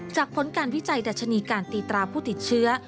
ผลการวิจัยดัชนีการตีตราผู้ติดเชื้อ